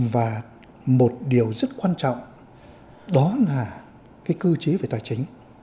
và một điều rất quan trọng đó là cái cơ chế về tài chính